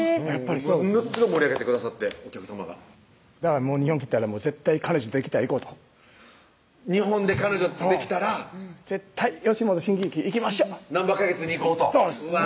ものすごい盛り上げてくださってお客さまがだから日本来たら絶対彼女できたら行こうと日本で彼女できたら絶対吉本新喜劇行きましょうなんば花月に行こうとうわ